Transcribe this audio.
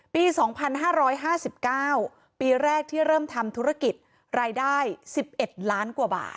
ปีสองพันห้าร้อยห้าสิบเก้าปีแรกที่เริ่มทำธุรกิจรายได้สิบเอ็ดล้านกว่าบาท